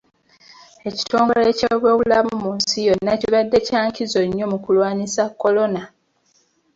Ekitongole ky'ebyobulamu mu nsi yonna kibadde kya nkizo nnyo mu kulwanisa kolona.